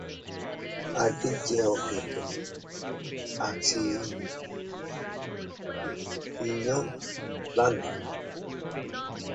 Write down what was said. His dam is the winning Princess Olivia by Lycius.